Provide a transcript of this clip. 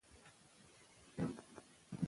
انجنیران نوي حلونه جوړوي.